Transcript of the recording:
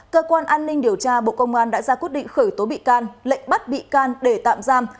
cơ quan an ninh điều tra bộ công an đã ra quyết định khởi tố bị can lệnh bắt bị can để tạm giam